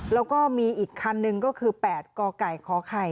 แล้วก็มีอีกคันนึงก็คือ๘กกค๗๒๗๗